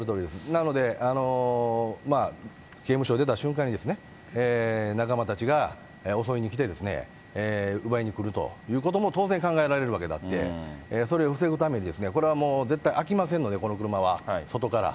なので、刑務所出た瞬間に、仲間たちが襲いに来てですね、奪いに来るということも当然考えられるわけであって、それを防ぐためにこれはもう、絶対開きませんので、この車は、外から。